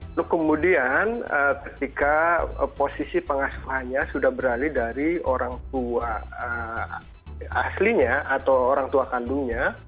lalu kemudian ketika posisi pengasuhannya sudah beralih dari orang tua aslinya atau orang tua kandungnya